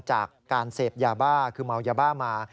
จากการเสพยาบ้าคือเมายาบ้ามา